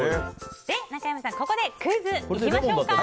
中山さん、ここでクイズいきましょう。